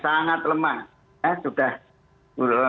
jangan yang lagi btu last month sudah bunga ya